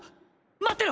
待ってろ！